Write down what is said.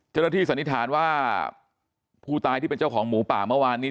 สันนิษฐานว่าผู้ตายที่เป็นเจ้าของหมูป่าเมื่อวานนี้